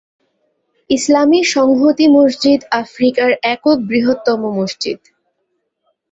ইসলামী সংহতি মসজিদ আফ্রিকার একক বৃহত্তম মসজিদ।